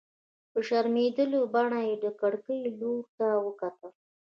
په شرمېدلې بڼه يې د کړکۍ لور ته وکتل.